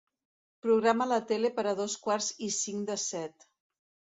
Programa la tele per a dos quarts i cinc de set.